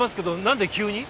何で急に？